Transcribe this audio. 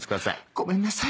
ごめんなさい。